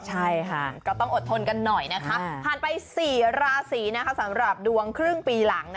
ใช่ค่ะก็ต้องอดทนกันหน่อยนะคะผ่านไป๔ราศีสำหรับดวงครึ่งปีหลัง